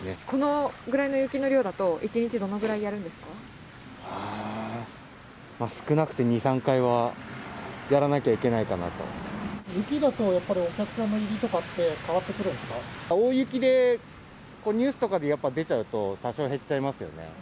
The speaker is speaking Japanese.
このぐらいの雪の量だと、少なくて２、３回はやらなき雪だとやっぱり、お客さんの入りとかって、大雪で、ニュースとかでやっぱ出ちゃうと、多少減っちゃいますよね。